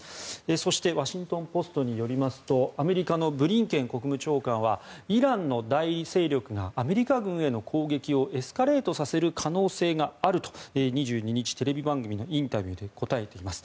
そしてワシントン・ポストによりますとアメリカのブリンケン国務長官はイランの代理勢力がアメリカ軍への攻撃をエスカレートさせる可能性があると２２日、テレビ番組のインタビューで答えています。